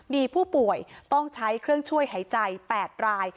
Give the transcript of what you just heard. มีผู้ป่วยต้องใช้เครื่องช่วยหายใจ๘ราย